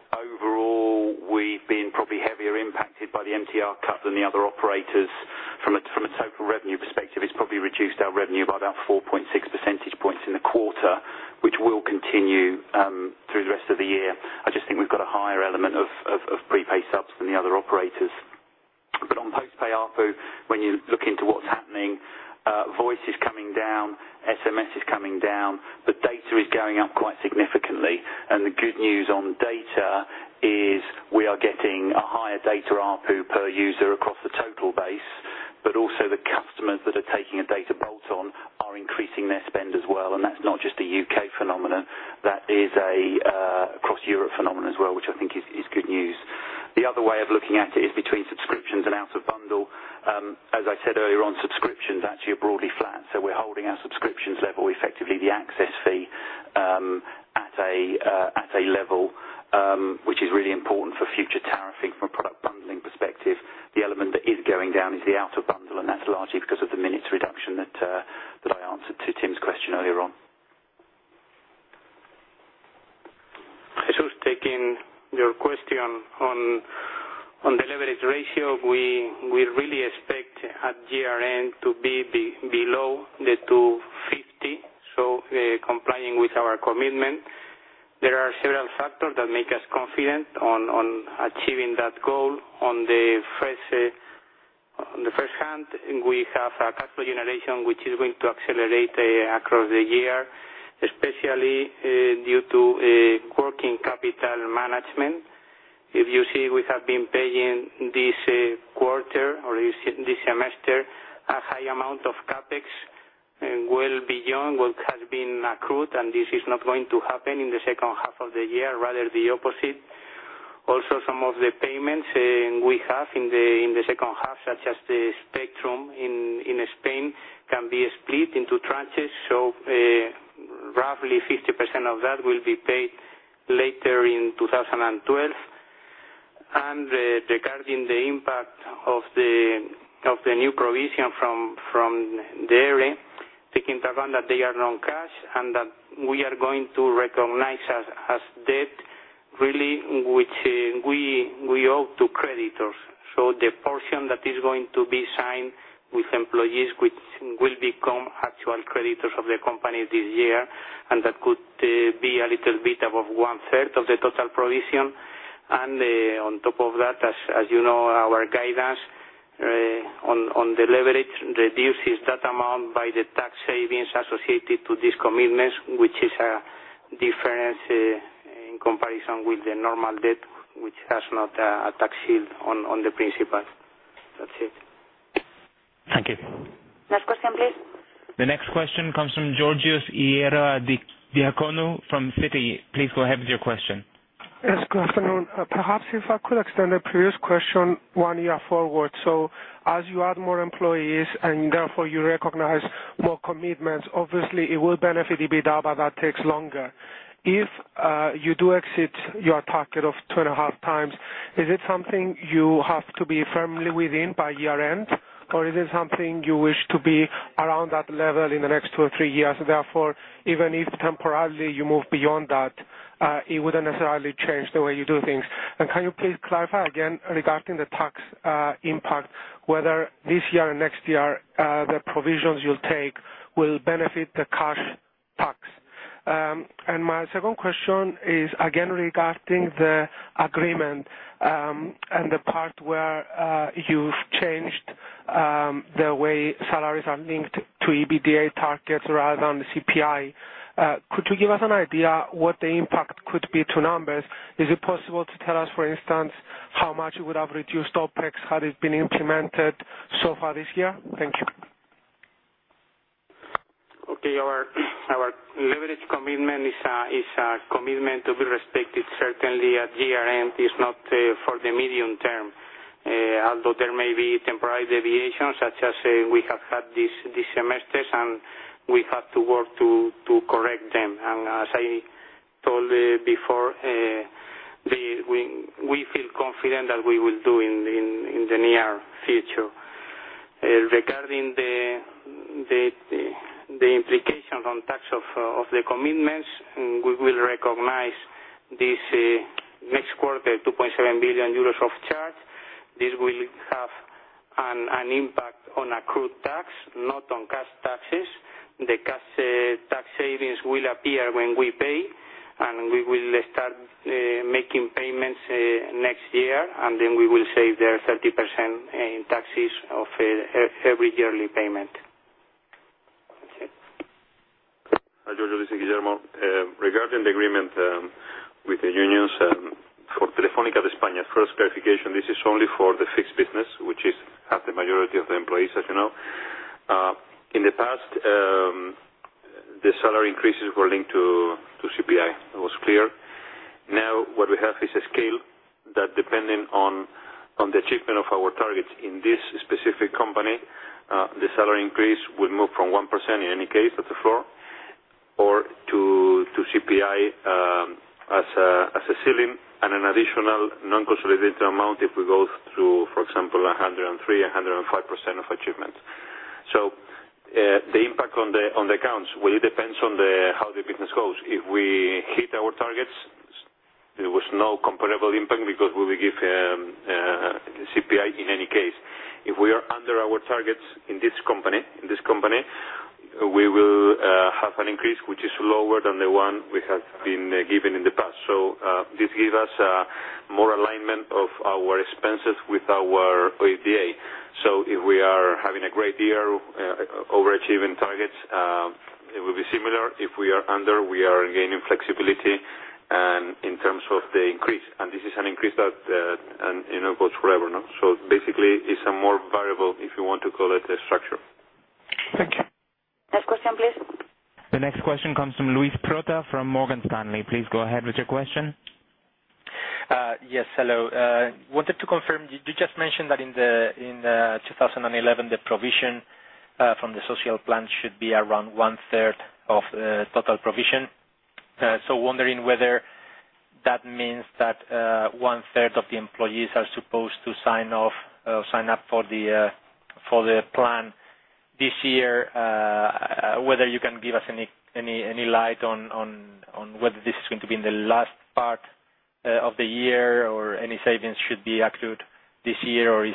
Overall, we've been probably heavier impacted by the mobile termination rate cut than the other operators. From a total revenue perspective, it's probably reduced our revenue by about 4.6% in the quarter, which will continue through the rest of the year. I just think we've got a higher element of prepaid subs than the other operators. On postpaid ARPU, when you look into what's happening, voice is coming down, SMS is coming down, but data is going up quite significantly. The good news on data is we are getting a higher data ARPU per user across the total base, but also the customers that are taking a data bolt-on are increasing their spend as well. That's not just a U.K. phenomenon. That is a cross-Europe phenomenon as well, which I think is good news. The other way of looking at it is between subscriptions and out-of-bundle. As I said earlier on, subscriptions actually are broadly flat. We're holding our subscriptions level, effectively the access fee, at a level which is really important for future tariffing from a product bundling perspective. The element that is going down is the out-of-bundle, and that's largely because of the minutes reduction that I answered to Tim's question earlier on. Jesús taking your question on the leverage ratio. We really expect at year-end to be below the 2.50. So complying with our commitment, there are several factors that make us confident on achieving that goal. On the first hand, we have a capital generation which is going to accelerate across the year, especially due to working capital management. If you see, we have been paying this quarter or this semester a high amount of CapEx and well beyond what has been accrued. This is not going to happen in the second half of the year, rather the opposite. Also, some of the payments we have in the second half, such as the spectrum in Spain, can be split into tranches. Roughly 50% of that will be paid later in 2012. Regarding the impact of the new provision from DERE, taking into account that they are non-cash and that we are going to recognize as debt, really, which we owe to creditors. The portion that is going to be signed with employees, which will become actual creditors of the company this year, and that could be a little bit above one-third of the total provision. On top of that, as you know, our guidance on the leverage reduces that amount by the tax savings associated to these commitments, which is a difference in comparison with the normal debt, which has not a tax shield on the principal. That's it. Thank you. Next question, please. The next question comes from Georgios Ierodiaconou from Citi. Please go ahead with your question. Yes, good afternoon. Perhaps if I could extend the previous question one year forward. As you add more employees and therefore you recognize more commitments, obviously, it will benefit EBITDA, but that takes longer. If you do exceed your target of 2.5x, is it something you have to be firmly within by year-end, or is it something you wish to be around that level in the next two or three years? Therefore, even if temporarily you move beyond that, it wouldn't necessarily change the way you do things. Could you please clarify again regarding the tax impact, whether this year and next year the provisions you'll take will benefit the tax? My second question is again regarding the agreement and the part where you've changed the way salaries are linked to EBITDA targets rather than the CPI. Could you give us an idea of what the impact could be to numbers? Is it possible to tell us, for instance, how much it would have reduced OpEx had it been implemented so far this year? Thank you. Okay. Our leverage commitment is a commitment to be respected. Certainly, at year-end, it's not for the medium term. Although there may be temporary deviations, such as we have had this semester, we have to work to correct them. As I told before, we feel confident that we will do in the near future. Regarding the implications on tax of the commitments, we will recognize this next quarter, 2.7 billion euros of charge. This will have an impact on accrued tax, not on cash taxes. The cash tax savings will appear when we pay, and we will start making payments next year. We will save there 30% in taxes of every yearly payment. Georgios, this is Guillermo. Regarding the agreement with the unions for Telefónica España, first clarification, this is only for the fixed business, which has the majority of the employees, as you know. In the past, the salary increases were linked to CPI. That was clear. Now, what we have is a scale that, depending on the achievement of our targets in this specific company, the salary increase will move from 1% in any case to the floor or to CPI as a ceiling and an additional non-consolidated amount if we go through, for example, 103%, 105% of achievements. The impact on the accounts depends on how the business goes. If we hit our targets, there was no comparable impact because we will give CPI in any case. If we are under our targets in this company, we will have an increase which is lower than the one we have been given in the past. This gives us more alignment of our expenses with our OIBDA. If we are having a great year, overachieving targets, it will be similar. If we are under, we are gaining flexibility in terms of the increase. This is an increase that goes forever. Basically, it's a more variable, if you want to call it, the structure. Thank you. Next question, please. The next question comes from Luis Prota from Morgan Stanley. Please go ahead with your question. Yes, hello. Wanted to confirm, you just mentioned that in 2011, the provision from the social plan should be around one-third of the total provision. Wondering whether that means that 1/3 of the employees are supposed to sign up for the plan this year, whether you can give us any light on whether this is going to be in the last part of the year or any savings should be accrued this year or is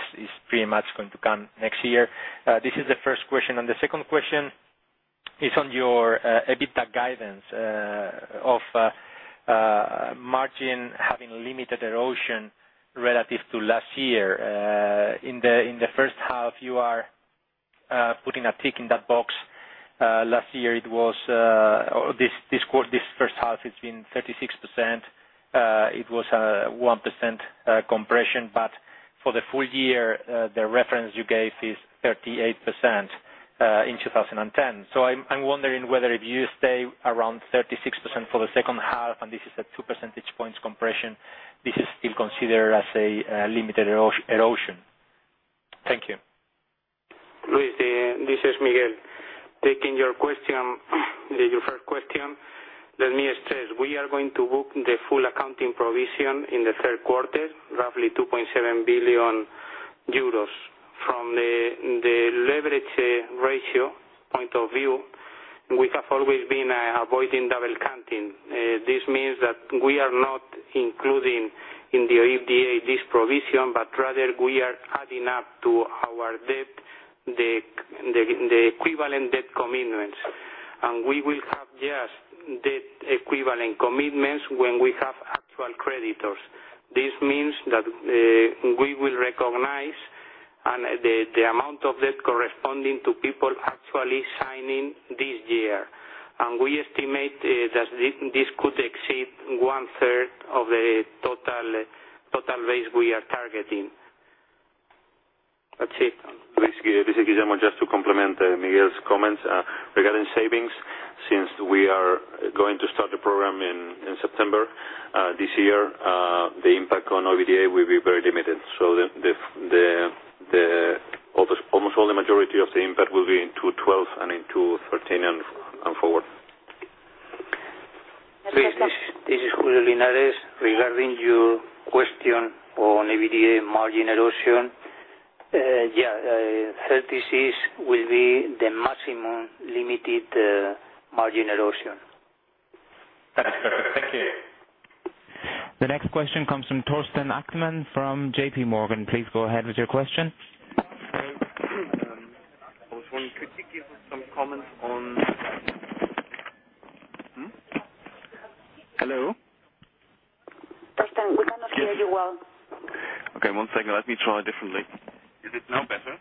pretty much going to come next year. This is the first question. The second question is on your EBITDA guidance of margin having limited erosion relative to last year. In the first half, you are putting a tick in that box. Last year, it was this first half, it's been 36%. It was a 1% compression. For the full year, the reference you gave is 38% in 2010. I'm wondering whether if you stay around 36% for the second half, and this is a two percentage points compression, this is still considered as a limited erosion. Thank you. Luis, this is Miguel. Taking your question, your first question, let me stress, we are going to book the full accounting provision in the third quarter, roughly 2.7 billion euros. From the leverage ratio point of view, we have always been avoiding double counting. This means that we are not including in the OIBDA this provision, but rather we are adding up to our debt, the equivalent debt commitments. We will have just debt equivalent commitments when we have actual creditors. This means that we will recognize the amount of debt corresponding to people actually signing this year. We estimate that this could exceed 1/3 of the total base we are targeting. That's it. This is Guillermo, just to complement Miguel's comments regarding savings. Since we are going to start the program in September this year, the impact on OIBDA will be very limited. Almost all the majority of the impact will be in 2012 and in 2013 and forward. This is Julio Linares. Regarding your question on OIBDA margin erosion, yeah, 36% will be the maximum limited margin erosion. That is perfect. Thank you. The next question comes from Torsten Achtmann from JPMorgan. Please go ahead with your question. I was wondering, could you give some comments on? Hello? Torsten, we cannot hear you well. Okay, one second. Let me try differently. Is it now better?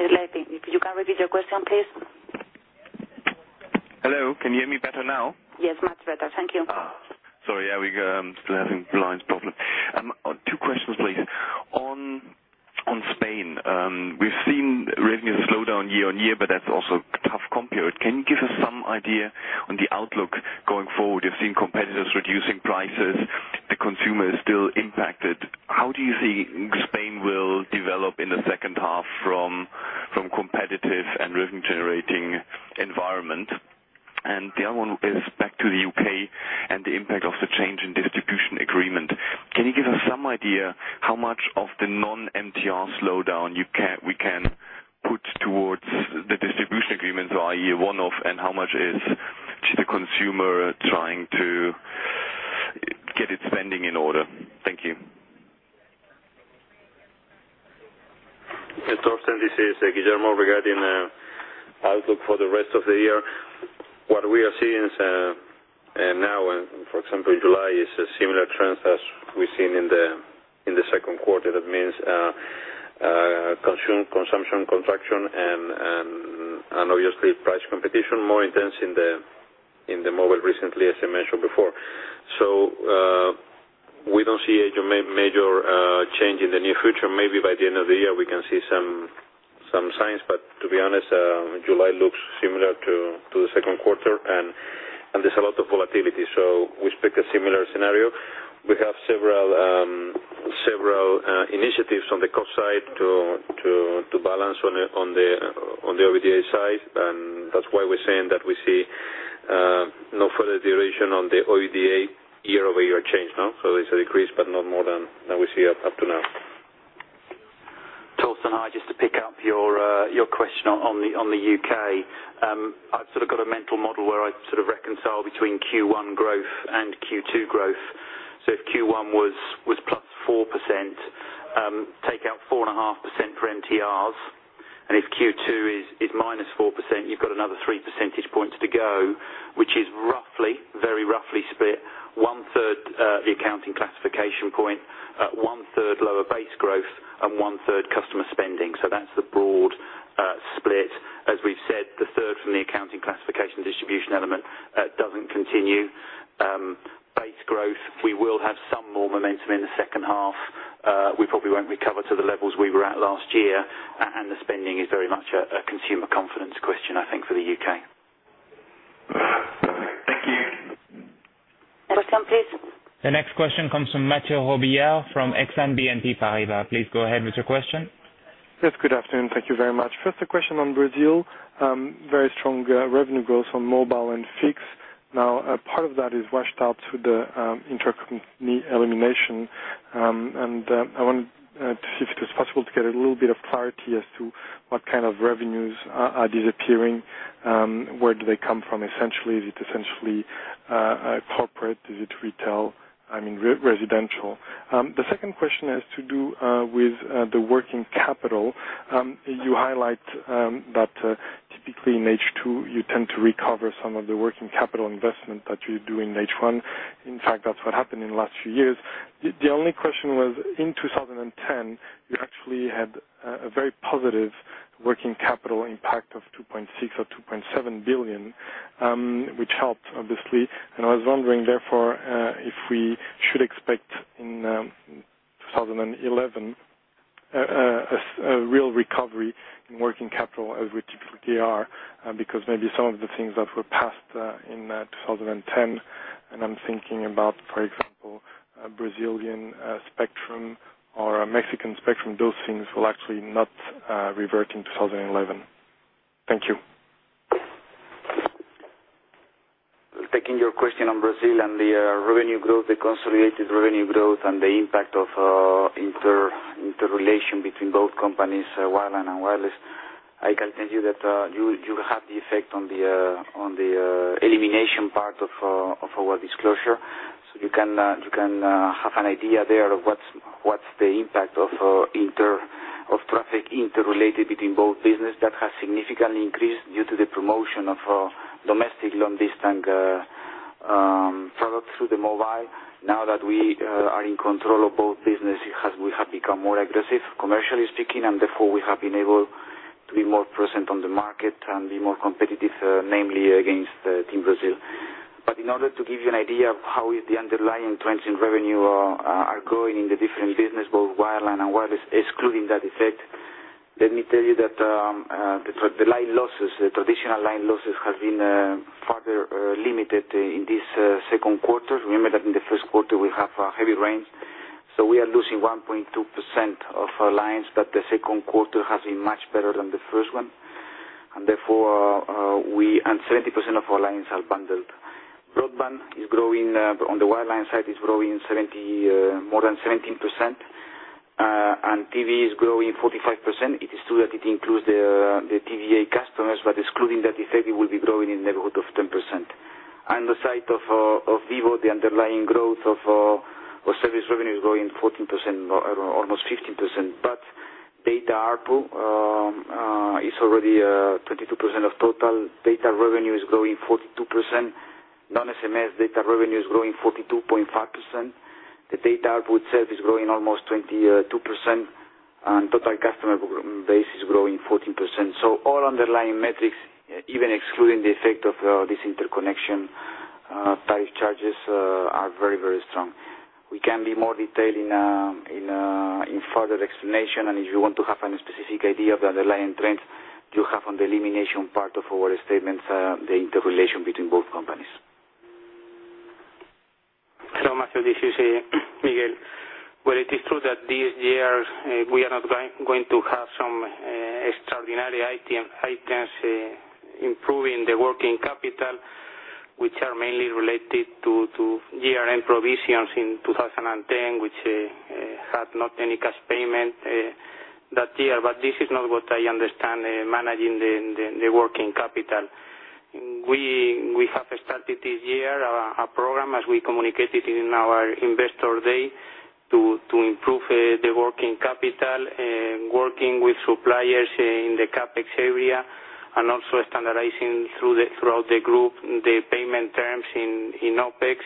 Let me see if you can repeat your question, please. Hello, can you hear me better now? Yes, much better. Thank you. Yeah, we're still having lines problems. Two questions, please. On Spain, we've seen revenue slow down year on year, but that's also a tough comp period. Can you give us some idea on the outlook going forward? You've seen competitors reducing prices. The consumer is still impacted. How do you see Spain will develop in the second half from a competitive and revenue-generating environment? The other one is back to the U.K. and the impact of the change in distribution agreement. Can you give us some idea how much of the non-MTR slowdown we can put towards the distribution agreements, or i.e., one-off, and how much is the consumer trying to get its spending in order? Thank you. This is Guillermo. Regarding the outlook for the rest of the year, what we are seeing is now, for example, in July, is a similar trend as we've seen in the second quarter. That means consumption contraction and obviously price competition more intense in the mobile recently, as I mentioned before. We don't see a major change in the near future. Maybe by the end of the year, we can see some signs. To be honest, July looks similar to the second quarter, and there's a lot of volatility. We expect a similar scenario. We have several initiatives on the cost side to balance on the OIBDA side. That's why we're saying that we see no further duration on the OIBDA year-over-year change now. There's a decrease, but not more than we see up to now. Torsten, hi, just to pick up your question on the U.K. I've got a mental model where I reconcile between Q1 growth and Q2 growth. If Q1 was +4%, take out 4.5% for MTRs. If Q2 is -4%, you've got another three percentage points to go, which is roughly, very roughly split, 1/3 the accounting classification point, 1/3 lower base growth, and 1/3 customer spending. That's the broad split. As we've said, the third from the accounting classification distribution element doesn't continue. Base growth, we will have some more momentum in the second half. We probably won't recover to the levels we were at last year. The spending is very much a consumer confidence question, I think, for the U.K. The next question comes from Mathieu Robilliard from Exane BNP Paribas. Please go ahead with your question. Yes, good afternoon. Thank you very much. First, a question on Brazil. Very strong revenue growth on mobile and fixed. Now, part of that is washed out through the intercompany elimination. I wanted to see if it was possible to get a little bit of clarity as to what kind of revenues are disappearing, where do they come from, essentially. Is it essentially corporate? Is it retail? I mean, residential? The second question has to do with the working capital. You highlight that typically in H2, you tend to recover some of the working capital investment that you do in H1. In fact, that's what happened in the last few years. The only question was, in 2010, you actually had a very positive working capital impact of 2.6 or 2.7 billion, which helped, obviously. I was wondering, therefore, if we should expect in 2011 a real recovery in working capital as we typically are, because maybe some of the things that were passed in 2010, and I'm thinking about, for example, Brazilian spectrum or Mexican spectrum, those things will actually not revert in 2011. Thank you. Taking your question on Brazil and the revenue growth, the consolidated revenue growth, and the impact of interrelation between both companies, wireline and wireless, I can tell you that you have the effect on the elimination part of our disclosure. You can have an idea there of what's the impact of traffic interrelated between both businesses that has significantly increased due to the promotion of domestic long-distance products through the mobile. Now that we are in control of both businesses, we have become more aggressive, commercially speaking, and therefore, we have been able to be more present on the market and be more competitive, namely against Team Brazil. In order to give you an idea of how the underlying trends in revenue are going in the different businesses, both wireline and wireless, excluding that effect, let me tell you that the line losses, the traditional line losses, have been further limited in this second quarter. Remember that in the first quarter, we have heavy rains. We are losing 1.2% of our lines, but the second quarter has been much better than the first one. Therefore, 70% of our lines are bundled. Broadband is growing. On the wireline side, it's growing more than 17%. TV is growing 45%. It is true that it includes the TVA customers, but excluding that effect, it will be growing in the neighborhood of 10%. On the side of Vivo, the underlying growth of service revenue is growing 14%, almost 15%. Data ARPU is already 22% of total. Data revenue is growing 42%. Non-SMS data revenue is growing 42.5%. The data ARPU itself is growing almost 22%. Total customer base is growing 14%. All underlying metrics, even excluding the effect of this interconnection, tariff charges are very, very strong. We can be more detailed in further explanation. If you want to have a specific idea of the underlying trends, you have on the elimination part of our statements the interrelation between both companies. Hello, Mathieu. This is Miguel. It is true that this year we are not going to have some extraordinary items improving the working capital, which are mainly related to year-end provisions in 2010, which had not any cash payment that year. This is not what I understand managing the working capital. We have started this year a program, as we communicated in our investor day, to improve the working capital, working with suppliers in the CapEx area and also standardizing throughout the group the payment terms in OpEx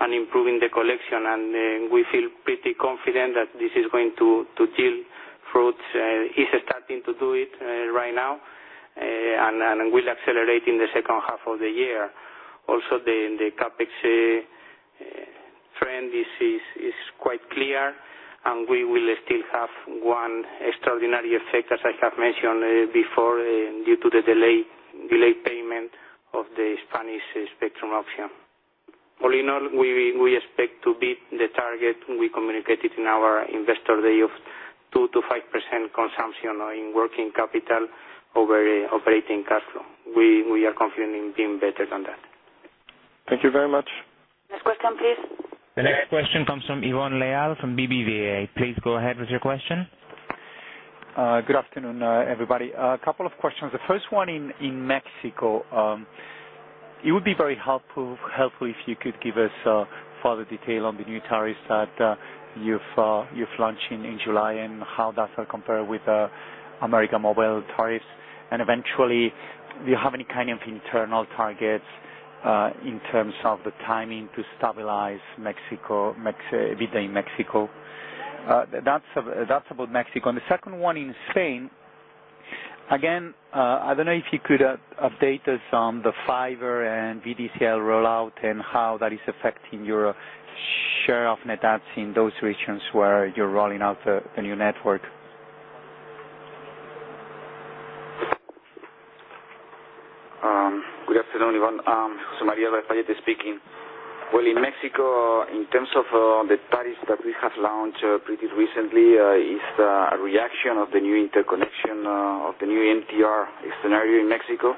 and improving the collection. We feel pretty confident that this is going to yield fruits. It's starting to do it right now and will accelerate in the second half of the year. Also, the CapEx trend is quite clear. We will still have one extraordinary effect, as I have mentioned before, due to the delayed payment of the Spanish spectrum auction. All in all, we expect to beat the target we communicated in our investor day of 2%-5% consumption in working capital over operating cash flow. We are confident in being better than that. Thank you very much. Next question, please. The next question comes from Ivón Leal from BBVA. Please go ahead with your question. Good afternoon, everybody. A couple of questions. The first one in Mexico. It would be very helpful if you could give us further detail on the new tariffs that you've launched in July and how that compares with the American mobile tariffs. Do you have any kind of internal targets in terms of the timing to stabilize EBITDA in Mexico? That's about Mexico. The second one in Spain. I don't know if you could update us on the Fiber and VDCL rollout and how that is affecting your share of NetApps in those regions where you're rolling out the new network. Good afternoon, Ivón. María Pallete is speaking. In Mexico, in terms of the tariffs that we have launched pretty recently, it's the reaction of the new interconnection of the new mobile termination rate scenario in Mexico.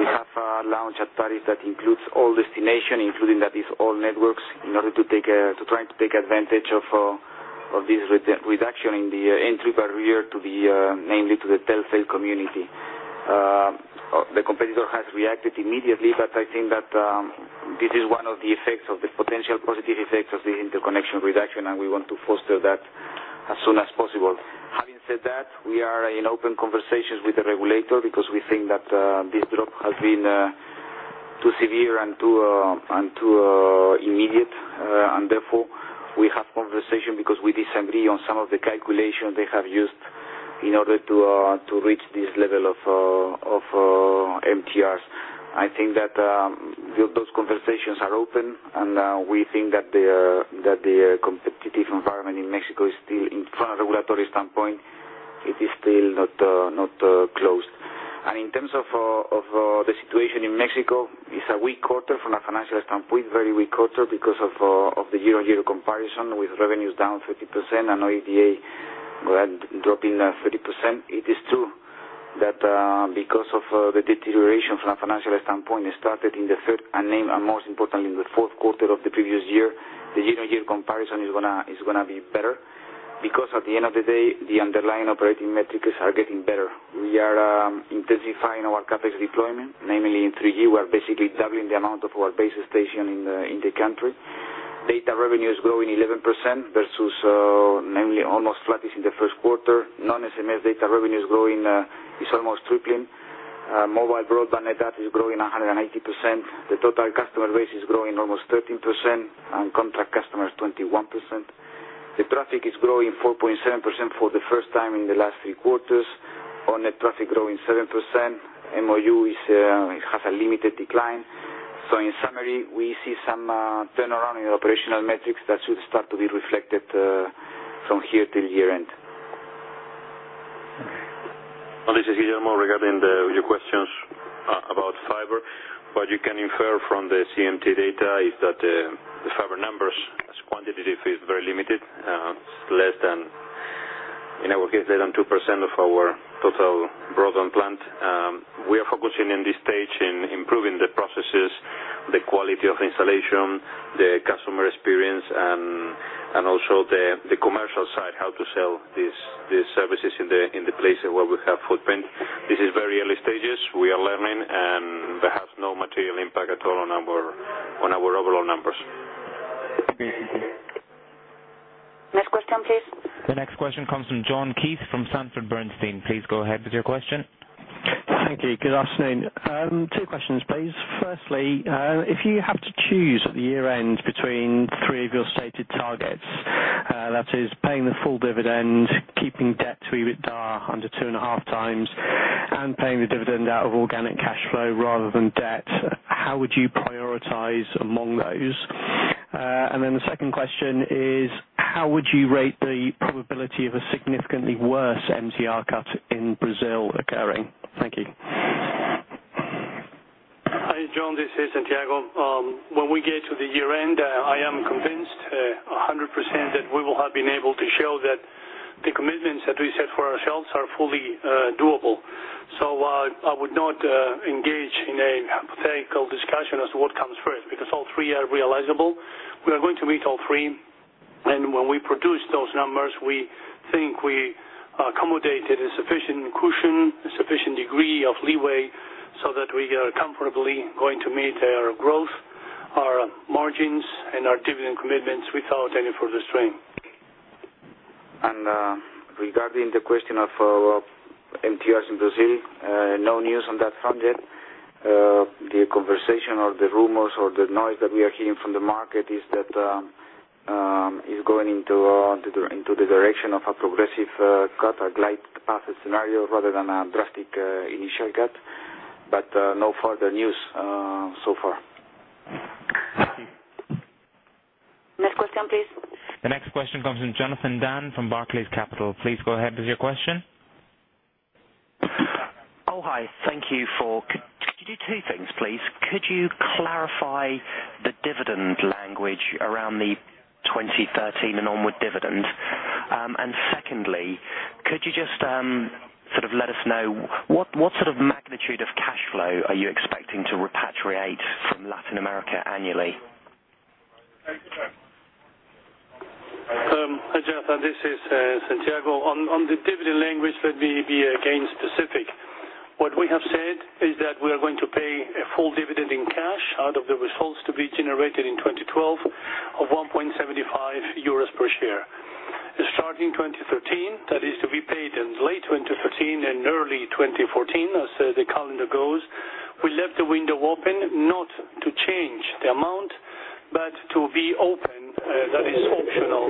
We have launched a tariff that includes all destinations, including all networks, in order to try to take advantage of this reduction in the entry barrier to the, namely to the Telcel community. The competitor has reacted immediately, but I think that this is one of the potential positive effects of the interconnection reduction, and we want to foster that as soon as possible. Having said that, we are in open conversations with the regulator because we think that this drop has been too severe and too immediate. Therefore, we have conversations because we disagree on some of the calculations they have used in order to reach this level of MTRs. I think that those conversations are open, and we think that the competitive environment in Mexico is still, from a regulatory standpoint, not closed. In terms of the situation in Mexico, it's a weak quarter from a financial standpoint, very weak quarter because of the year-on-year comparison with revenues down 30% and OIBDA dropping 30%. It is true that because of the deterioration from a financial standpoint, it started in the third and most importantly in the fourth quarter of the previous year, the year-on-year comparison is going to be better because at the end of the day, the underlying operating metrics are getting better. We are intensifying our CapEx deployment, namely in 3G. We are basically doubling the amount of our base stations in the country. Data revenue is growing 11% versus, namely, almost flat in the first quarter. Non-SMS data revenue is growing, is almost tripling. Mobile broadband net adds is growing 180%. The total customer base is growing almost 13% and contract customers 21%. The traffic is growing 4.7% for the first time in the last three quarters. On-net traffic growing 7%. MOU has a limited decline. In summary, we see some turnaround in the operational metrics that should start to be reflected from here till year-end. This is Guillermo regarding your questions about Fiber. What you can infer from the CMT data is that the Fiber numbers, as quantitative, are very limited. It's less than, in our case, less than 2% of our total broadband plant. We are focusing in this stage on improving the processes, the quality of installation, the customer experience, and also the commercial side, how to sell these services in the places where we have footprint. This is very early stages. We are learning and perhaps no material impact at all on our overall numbers. Next question, please. The next question comes from John Keith from Sanford Bernstein. Please go ahead with your question. Thank you. Good afternoon. Two questions, please. Firstly, if you have to choose the year-end between three of your stated targets, that is paying the full dividend, keeping debt to OIBDA under 2.5x, and paying the dividend out of organic cash flow rather than debt, how would you prioritize among those? The second question is, how would you rate the probability of a significantly worse mobile termination rate cut in Brazil occurring? Thank you. Hi, John. This is Santiago. When we get to the year-end, I am convinced 100% that we will have been able to show that the commitments that we set for ourselves are fully doable. I would not engage in a hypothetical discussion as to what comes first because all three are realizable. We are going to meet all three. When we produce those numbers, we think we accommodated a sufficient cushion, a sufficient degree of leeway so that we are comfortably going to meet our growth, our margins, and our dividend commitments without any further strain. the question of MTRs in Brazil, no news on that front yet. The conversation or the rumors or the noise that we are hearing from the market is that it's going into the direction of a progressive cut or glide path scenario rather than a drastic initial cut. No further news so far. Thank you. Next question, please. The next question comes from Jonathan Dann from Barclays Capital. Please go ahead with your question. Oh, hi. Thank you. Could you do two things, please? Could you clarify the dividend language around the 2013 and onward dividends? Could you just sort of let us know what sort of magnitude of cash flow are you expecting to repatriate from Latin America annually? Hi, Jonathan. This is Santiago. On the dividend language, let me be again specific. What we have said is that we are going to pay a full dividend in cash out of the results to be generated in 2012 of 1.75 euros per share. Starting 2013, that is to be paid in late 2013 and early 2014, as the calendar goes, we left the window open not to change the amount, but to be open, that is optional,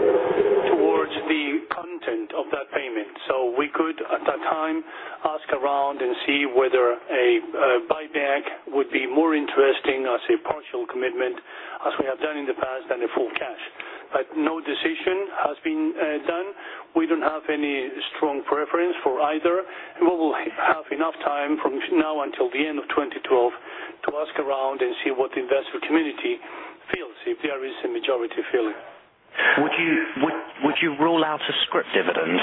towards the content of that payment. We could, at that time, ask around and see whether a buyback would be more interesting as a partial commitment, as we have done in the past, than a full cash. No decision has been done. We don't have any strong preference for either. We will have enough time from now until the end of 2012 to ask around and see what the investor community feels, if there is a majority feeling. Would you roll out a script dividend?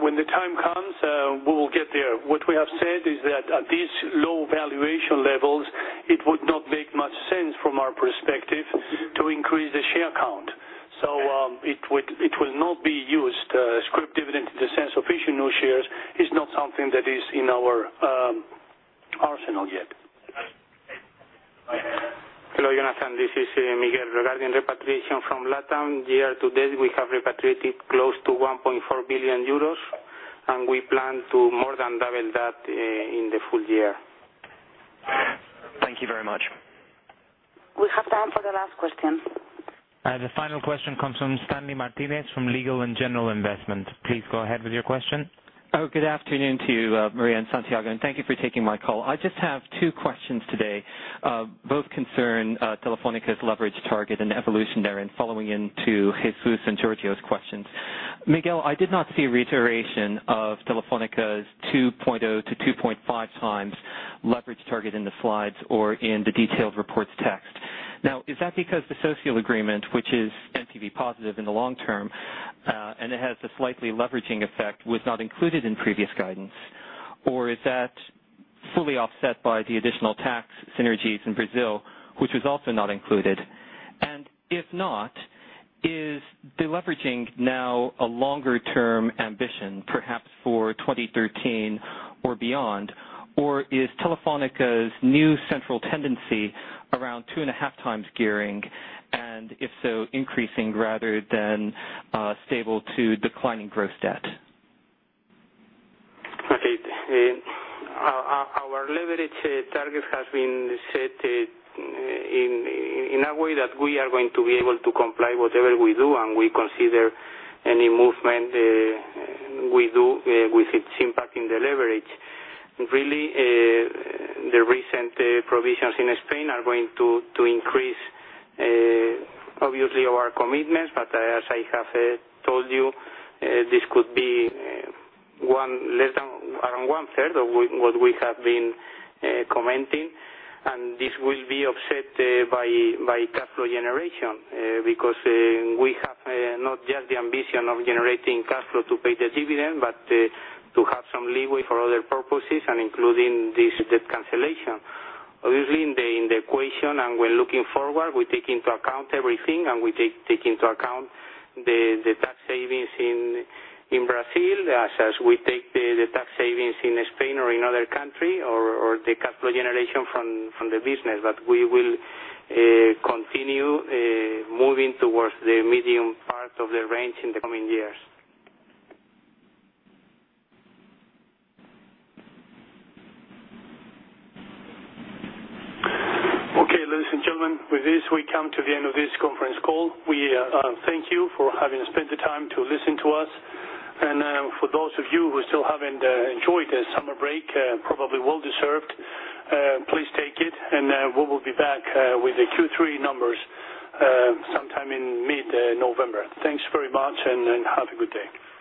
When the time comes, we will get there. What we have said is that at these low valuation levels, it would not make much sense from our perspective to increase the share count. It will not be used. A script dividend in the sense of issuing new shares is not something that is in our arsenal yet. Hello, Jonathan. This is Miguel. Regarding repatriation from LatAm, year to date, we have repatriated close to 1.4 billion euros, and we plan to more than double that in the full year. Thank you very much. We have time for the last question. The final question comes from Stanley Martinez from Legal & General Investments. Please go ahead with your question. Oh, good afternoon to you, María and Santiago, and thank you for taking my call. I just have two questions today. Both concern Telefónica's leverage target and evolution therein, following into Jesús and Georgio's questions. Miguel, I did not see a reiteration of Telefónica's 2.0x-2.5x leverage target in the slides or in the detailed reports text. Is that because the social agreement, which is NPV positive in the long term, and it has the slightly leveraging effect, was not included in previous guidance? Is that fully offset by the additional tax synergies in Brazil, which was also not included? If not, is the leveraging now a longer-term ambition, perhaps for 2013 or beyond? Is Telefónica's new central tendency around 2.5x gearing and, if so, increasing rather than stable to declining gross debt? Our leverage targets have been set in a way that we are going to be able to comply whatever we do, and we consider any movement we do with its impact in the leverage. Really, the recent provisions in Spain are going to increase, obviously, our commitments. As I have told you, this could be around one-third of what we have been commenting. This will be offset by cash flow generation because we have not just the ambition of generating cash flow to pay the dividend, but to have some leeway for other purposes, including this debt cancellation. Obviously, in the equation and when looking forward, we take into account everything, and we take into account the tax savings in Brazil, as we take the tax savings in Spain or in other countries, or the cash flow generation from the business. We will continue moving towards the medium part of the range in the coming years. Okay, ladies and gentlemen, with this, we come to the end of this conference call. We thank you for having spent the time to listen to us. For those of you who still haven't enjoyed the summer break, probably well deserved, please take it. We will be back with the Q3 numbers sometime in mid-November. Thanks very much and have a good day.